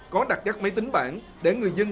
có đặt các máy tính bản để người dân